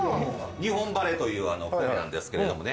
「日本晴」という米なんですけれどもね。